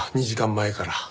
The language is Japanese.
２時間前から。